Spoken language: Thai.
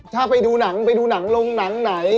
ถ้าไปดูหนังไปดูหนังลงหนังไหน